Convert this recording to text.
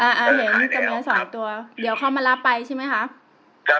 อ่าเห็นจะมีสองตัวเดี๋ยวเขามารับไปใช่ไหมคะ